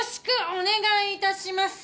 お願いします。